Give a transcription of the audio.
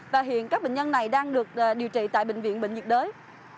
và hiện các bệnh nhân này đang được điều trị tại bệnh viện bệnh nhiệt đới